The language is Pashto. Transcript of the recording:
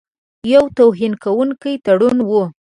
یو توهینونکی تړون وو.